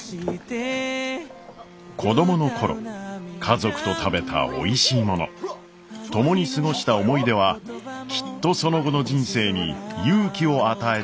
子供の頃家族と食べたおいしいもの共に過ごした思い出はきっとその後の人生に勇気を与えてくれるはずです。